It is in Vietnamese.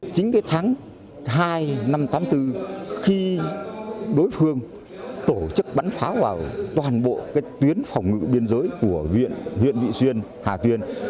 chính cái tháng hai năm một nghìn chín trăm tám mươi bốn khi đối phương tổ chức bắn pháo vào toàn bộ tuyến phòng ngự biên giới của huyện vị xuyên hà tuyên